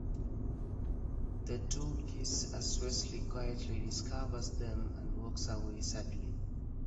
The two kiss as Wesley quietly discovers them and walks away sadly.